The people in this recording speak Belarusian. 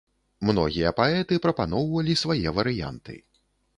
Многія паэты прапаноўвалі свае варыянты.